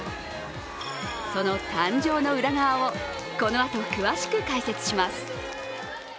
その誕生の裏側をこのあと詳しく解説します。